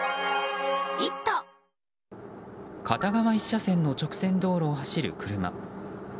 片側１車線の直線道路を走る車。